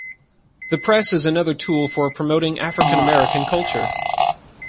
The press is another tool for promoting African-American culture.